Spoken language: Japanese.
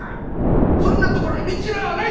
そんなところに道らあない！